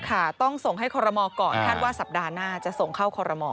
ค่ะต้องส่งให้คอรมอก่อนคาดว่าสัปดาห์หน้าจะส่งเข้าคอรมอ